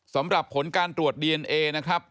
สำหรับผลการตรวจดีเอนเอนะครับ